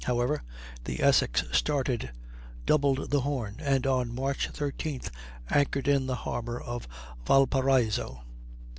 However, the Essex started, doubled the Horn, and on March 13th anchored in the harbor of Valparaiso.